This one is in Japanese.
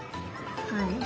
はい。